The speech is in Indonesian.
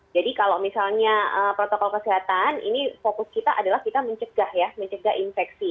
jadi kalau misalnya protokol kesehatan ini fokus kita adalah kita mencegah ya mencegah infeksi